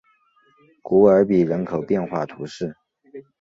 古尔比人口变化图示